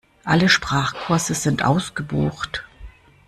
Alle Sprachkurse sind ausgebucht.